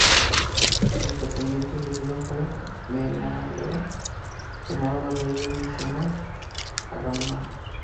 El pretendiente elegido fue Menelao, hermano del rey de Micenas, Agamenón.